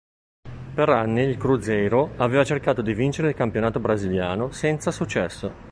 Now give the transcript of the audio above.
Per anni il Cruzeiro aveva cercato di vincere il campionato brasiliano, senza successo.